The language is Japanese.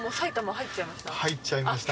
入っちゃいました。